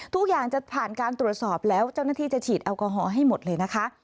ทุกอย่างจะผ่านการตรวจสอบแล้วเจ้าหน้าที่จะฉีดแอลกอฮอล์ให้หมดเลยนะคะ